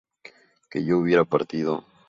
que yo hubiera partido